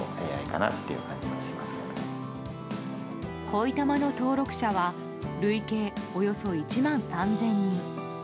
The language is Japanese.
恋たまの登録者は累計およそ１万３０００人。